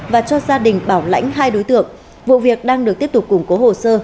và cho gia đình bảo lãnh hai đối tượng vụ việc đang được tiếp tục củng cố hồ sơ